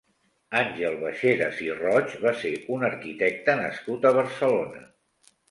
Àngel Baixeras i Roig va ser un arquitecte nascut a Barcelona.